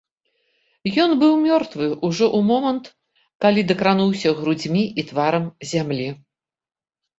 Ён быў мёртвы ўжо ў момант, калі дакрануўся грудзьмі і тварам зямлі.